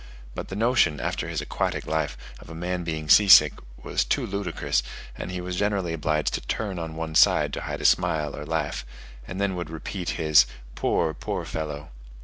but the notion, after his aquatic life, of a man being sea sick, was too ludicrous, and he was generally obliged to turn on one side to hide a smile or laugh, and then he would repeat his "Poor, poor fellow!"